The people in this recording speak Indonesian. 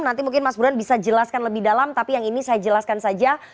nanti mungkin mas burhan bisa jelaskan lebih dalam tapi yang ini saya jelaskan saja